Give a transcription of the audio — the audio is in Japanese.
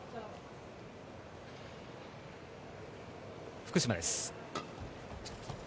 福島です。